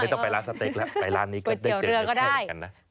ไม่ต้องไปร้านสเต็กไปร้านนี้ก็ได้